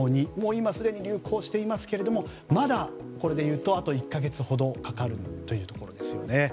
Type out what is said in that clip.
今すでに流行していますがまだこれでいうとあと１か月ほどかかるというところですよね。